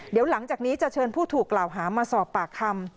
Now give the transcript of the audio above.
เดี๋ยวหลังจากนี้จะเชิญผู้ถูกกล่าวหามาสอบปากคำ